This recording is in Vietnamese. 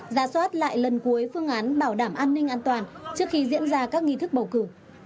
ra soát lại lần cuối phương án bảo đảm an ninh an toàn trước khi diễn ra các nghi thức bầu cử